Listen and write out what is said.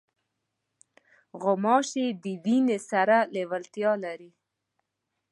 غوماشې د وینې سره لیوالتیا لري.